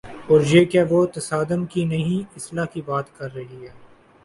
اوریہ کہ وہ تصادم کی نہیں، اصلاح کی بات کررہی ہے۔